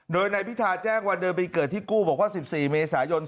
โดยนายพิธาแจ้งวันเดือนปีเกิดที่กู้บอกว่า๑๔เมษายน